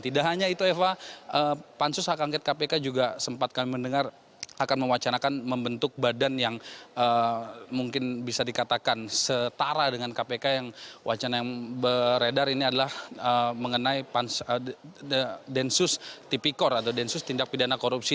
tidak hanya itu eva pansus hak angket kpk juga sempat kami mendengar akan mewacanakan membentuk badan yang mungkin bisa dikatakan setara dengan kpk yang wacana yang beredar ini adalah mengenai densus tipikor atau densus tindak pidana korupsi